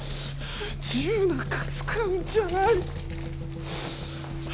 銃なんか使うんじゃない。